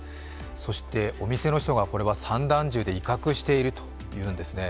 そしてお店の人が、これは散弾銃で威嚇しているというんですね。